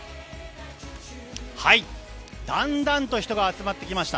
だんだんと人が集まってきました。